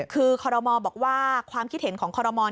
คือคมบอกว่าความคิดเห็นของคม